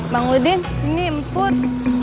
bang udin ini emput